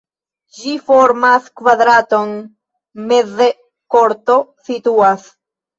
Ĝi formas kvadraton, meze korto situas.